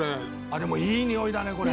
でもいいにおいだねこれ。